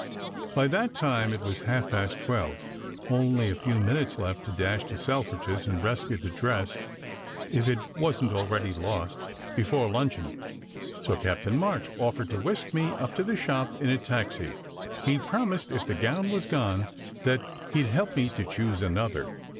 By that time it was half past twelve, only a few minutes left to dash to Selfridge s and rescue the dress (if it wasn t already lost) before luncheon, so Captain March offered to whisk me up to the shop in a taxi. He promised, if the gown were gone, that he d help me choose another.